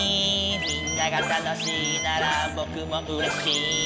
「みんなが楽しいならぼくもうれしい」